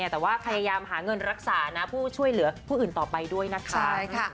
แต่ว่าพยายามหาเงินรักษานะผู้ช่วยเหลือผู้อื่นต่อไปด้วยนะคะ